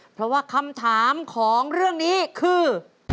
เพราะว่าคำถามของเรื่องนี้คือ